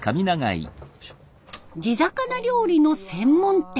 地魚料理の専門店。